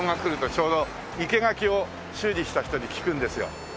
ちょうど生け垣を修理した人に聞くんですよ。